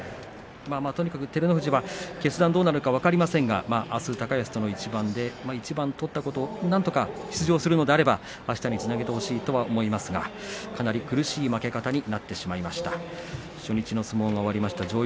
とにかく照ノ富士はどうなるか分かりませんが高安との一番取ったことでなんとか出場するのであればあしたにつなげてほしいと思いますが、かなり苦しい負け方になってしまいました。